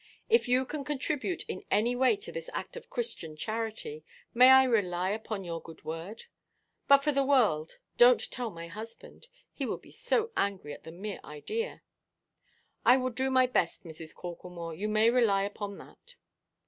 If you can contribute in any way to this act of Christian charity, may I rely upon your good word? But for the world, donʼt tell my husband; he would be so angry at the mere idea." "I will do my best, Mrs. Corklemore; you may rely upon that."